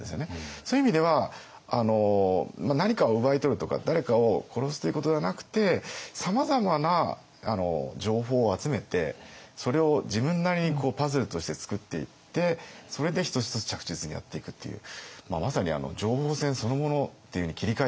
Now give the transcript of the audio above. そういう意味では何かを奪い取るとか誰かを殺すということではなくてさまざまな情報を集めてそれを自分なりにパズルとして作っていってそれで一つ一つ着実にやっていくっていうまさに情報戦？